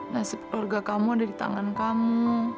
nasib keluarga kamu ada di tangan kamu